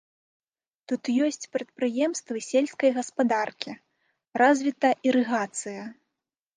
Тут ёсць прадпрыемствы сельскай гаспадаркі, развіта ірыгацыя.